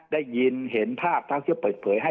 ได้ยินเห็นภาพเท่าเชื่อเปิดเผยให้